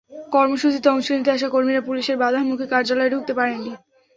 কর্মসূচিতে অংশ নিতে আসা কর্মীরা পুলিশের বাঁধার মুখে কার্যালয়ে ঢুকতে পারেননি।